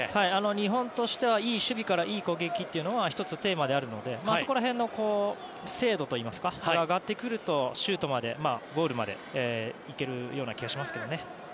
日本としてはいい守備からいい攻撃というのが１つのテーマなのでそこら辺の精度が上がってくるとシュートまで行ける気がしますけどね。